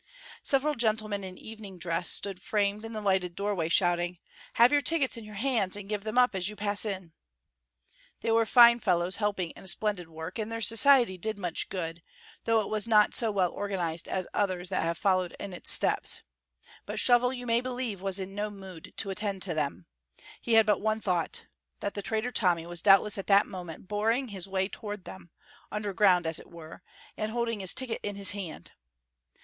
Several gentlemen in evening dress stood framed in the lighted doorway, shouting: "Have your tickets in your hands and give them up as you pass in." They were fine fellows, helping in a splendid work, and their society did much good, though it was not so well organized as others that have followed in its steps; but Shovel, you may believe, was in no mood to attend to them. He had but one thought: that the traitor Tommy was doubtless at that moment boring his way toward them, underground, as it were, and "holding his ticket in his hand."